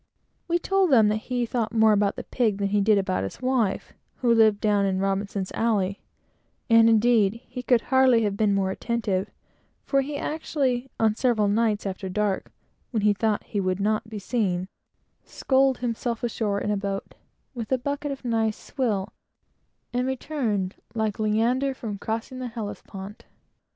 We told him that he thought more about the pig than he did about his wife, who lived down in Robinson's Alley; and, indeed, he could hardly have been more attentive, for he actually, on several nights, after dark, when he thought he would not be seen, sculled himself ashore in a boat with a bucket of nice swill, and returned like Leander from crossing the Hellespont.